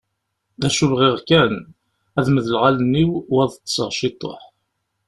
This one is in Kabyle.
D acu bɣiɣ kan, ad medleɣ allen-iw u ad ṭṭseɣ ciṭuḥ.